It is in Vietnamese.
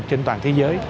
trên toàn thế giới